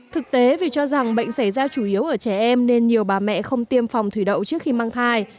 thực tế vì cho rằng bệnh xảy ra chủ yếu ở trẻ em nên nhiều bà mẹ không tiêm phòng thủy đậu trước khi mang thai